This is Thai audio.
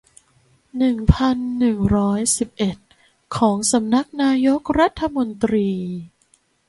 หนึ่งพันหนึ่งร้อยสิบเอ็ด ของสำนักนายกรัฐมนตรี